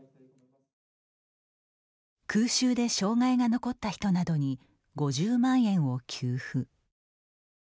空襲で障害が残った人などに５０万円を給付。